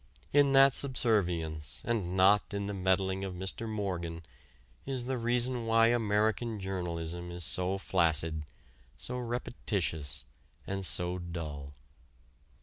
In that subservience, and not in the meddling of Mr. Morgan, is the reason why American journalism is so flaccid, so repetitious and so dull.